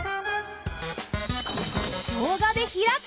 どうがでひらく！